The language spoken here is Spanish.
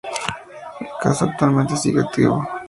El caso actualmente sigue activo.